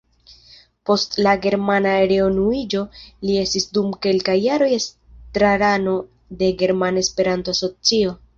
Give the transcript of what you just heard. Post la germana reunuiĝo li estis dum kelkaj jaroj estrarano de Germana Esperanto-Asocio.